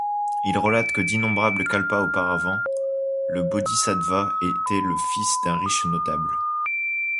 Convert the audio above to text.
Il relate que d’innombrables kalpas auparavant, le bodhisattva était le fils d’un riche notable.